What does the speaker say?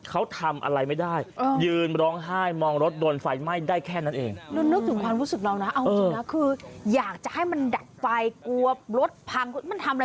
เอาอะไรไม่ได้ตลอดสบายต้องให้ต้องได้เลยอยากทำอะไรก็ทำไม่ได้